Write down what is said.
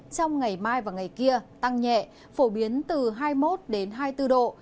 trong ngày mai và ngày kia tăng nhẹ phổ biến từ hai mươi một hai mươi bốn độ